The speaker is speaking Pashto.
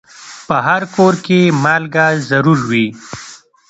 په هر کور کې مالګه ضرور وي.